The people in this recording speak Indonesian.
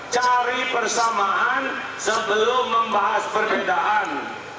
cari persamaan sebelum membahas perbedaan